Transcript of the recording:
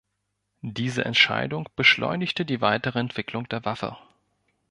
Diese Entscheidung beschleunigte die weitere Entwicklung der Waffe.